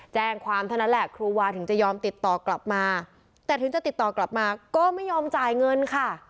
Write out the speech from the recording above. แจ้งความเท่านั้นแหละครูวาถึงจะยอมติดต่อกลับมาแต่ถึงจะติดต่อกลับมาก็ไม่ยอมจ่ายเงินค่ะ